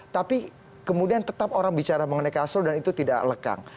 tapi kemudian tetap orang bicara mengenai kasur dan itu tidak lekang